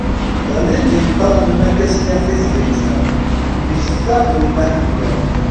Ɣlin-d imettawen makka sliɣ tizlit a, mmektaɣ-d winna ḥemmleɣ.